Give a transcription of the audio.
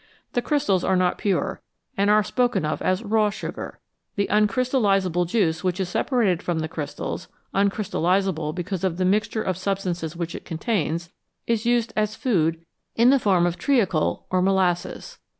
The crystals are not pure, and are spoken of as "raw" sugar; the uncrystallisable juice which is separated from the crystals uncrystallisable because of the mixture of substances which it contains is used as food in the form of treacle or molasses.